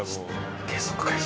計測開始。